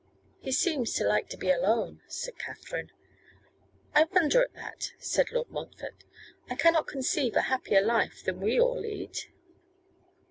'He seems to like to be alone,' said Katherine. 'I wonder at that,' said Lord Montfort; 'I cannot conceive a happier life than we all lead.